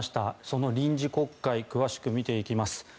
その臨時国会詳しく見ていきます。